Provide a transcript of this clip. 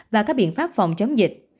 và các biện pháp phòng chống dịch